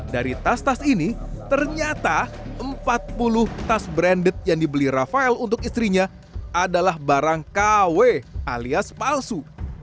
dari tas tas ini ternyata empat puluh tas branded yang dibeli rafael untuk istrinya adalah barang kw alias palsu